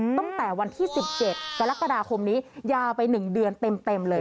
ตั้งแต่วันที่๑๗กรกฎาคมนี้ยาวไป๑เดือนเต็มเลย